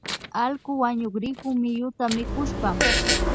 Allku wañukrikun miyuta mikushpa